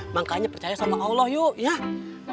makanya percaya sama allah yuk ya